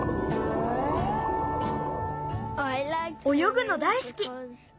およぐの大すき！